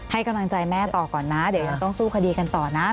ให้กำลังใจแม่ต่อก่อนนะเดี๋ยวยังต้องสู้คดีกันต่อนะ